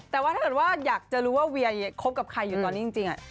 แต่ว่าถ้าเกิดว่าอยากจะรู้ว่าเวียคบกับใครอยู่ตอนนี้จริง